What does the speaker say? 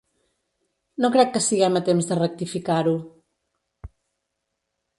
No crec que siguem a temps de rectificar-ho.